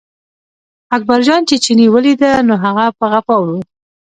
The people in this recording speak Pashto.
اکبرجان چې چیني ولیده، نو هغه په غپا و.